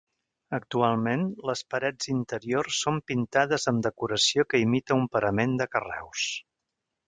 Actualment, les parets interiors són pintades amb decoració que imita un parament de carreus.